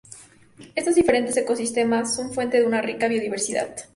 Estos diferentes ecosistemas son fuente de una rica biodiversidad.